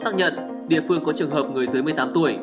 xác nhận địa phương có trường hợp người dưới một mươi tám tuổi